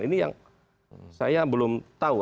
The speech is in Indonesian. ini yang saya belum tahu